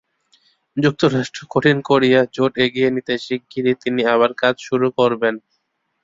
যুক্তরাষ্ট্র-দক্ষিণ Korea জোট এগিয়ে নিতে শিগগিরই তিনি আবার কাজ শুরু করবেন।